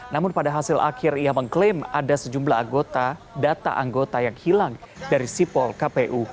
namun pada hasil akhir ia mengklaim ada sejumlah anggota data anggota yang hilang dari sipol kpu